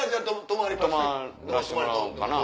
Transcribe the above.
泊まらしてもらおうかな。